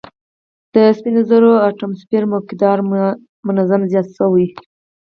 د سپینو زرو اتوموسفیري مقدار منظم زیات شوی